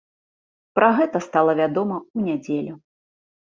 Пра гэта стала вядома ў нядзелю.